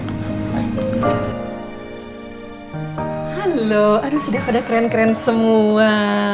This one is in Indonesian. halo aduh sudah pada keren keren semua